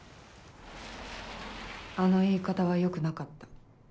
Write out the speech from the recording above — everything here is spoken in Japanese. あの言い方はよくなかった。